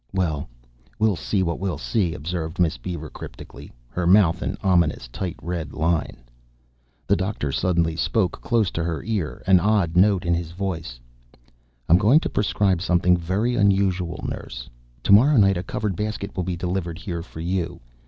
"Well, we'll see what we'll see," observed Miss Beaver cryptically, her mouth an ominous tight red line. The doctor suddenly spoke close to her ear, an odd note in his voice. "I'm going to prescribe something very unusual, nurse. Tomorrow night a covered basket will be delivered here for you.